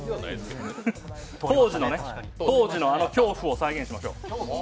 当時のあの恐怖を再現しましょう。